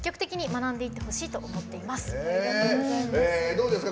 どうですか？